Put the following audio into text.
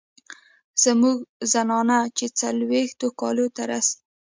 زمونږ زنانه چې څلوېښتو کالو ته رسي